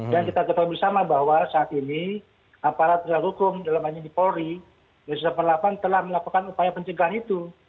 dan kita tetap bersama bahwa saat ini aparat penggak hukum dalam hal ini dipolri dan sesama perlapan telah melakukan upaya pencegahan itu